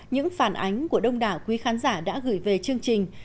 những phản ánh của đông đảo quý khán giả đã gửi về chương trình